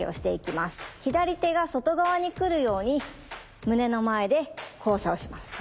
左手が外側に来るように胸の前で交差をします。